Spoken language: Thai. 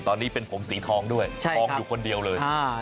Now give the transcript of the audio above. ตอนนี้เป็นผมสีทองด้วยทองอยู่คนเดียวเลย